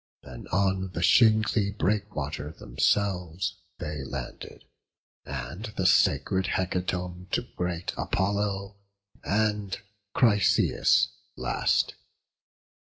Then on the shingly breakwater themselves They landed, and the sacred hecatomb To great Apollo; and Chryseis last.